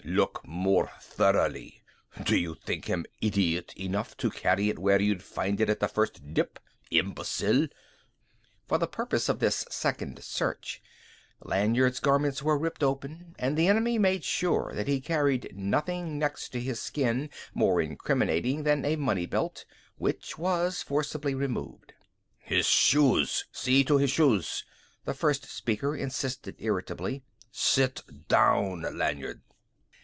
"Look more thoroughly. Did you think him idiot enough to carry it where you'd find it at the first dip? Imbecile!" For the purpose of this second search Lanyard's garments were ripped open, and the enemy made sure that he carried nothing next his skin more incriminating than a money belt, which was forcibly removed. "His shoes see to his shoes!" the first speaker insisted irritably. "Sit down, Lanyard!"